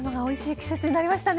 季節になりましたね。